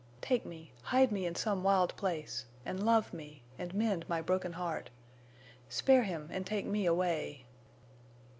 Take me—hide me in some wild place—and love me and mend my broken heart. Spare him and take me away."